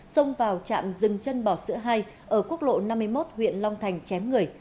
xông vào trạm rừng chân bò sữa hai ở quốc lộ năm mươi một huyện long thành chém người